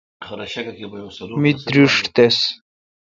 می درݭ تس۔